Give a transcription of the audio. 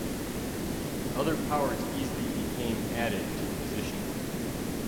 Other powers easily became added to the position.